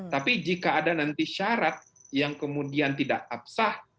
tapi jika ada nanti syarat yang kemudian tidak absah